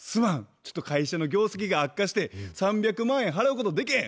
ちょっと会社の業績が悪化して３００万円払うことできへん。